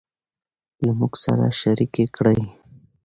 له موږ سره شريکې کړي